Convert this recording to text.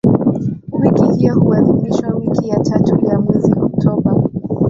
Wiki hiyo huadhimishwa wiki ya tatu ya mwezi Oktoba.